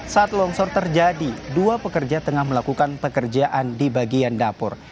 saat longsor terjadi dua pekerja tengah melakukan pekerjaan di bagian dapur